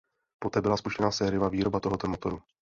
Poté byla spuštěna sériová výroba tohoto motoru.